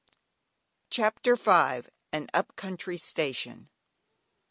CHAPTER V. AN UP COUNTRY STATION.